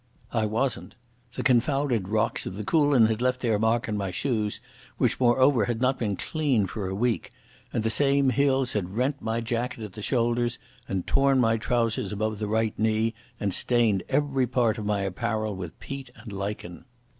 I wasn't. The confounded rocks of the Coolin had left their mark on my shoes, which moreover had not been cleaned for a week, and the same hills had rent my jacket at the shoulders, and torn my trousers above the right knee, and stained every part of my apparel with peat and lichen.